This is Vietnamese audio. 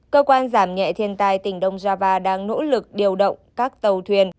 cơ quan giảm nhẹ thiên tai tỉnh đông java đang nỗ lực điều động các tàu thuyền